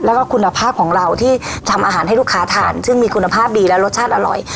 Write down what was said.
แล้วก็คุณภาพของเราที่ทำอาหารให้ลูกค้าทานซึ่งมีคุณภาพดีและรสชาติอร่อย